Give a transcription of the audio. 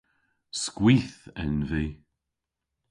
Skwith en vy.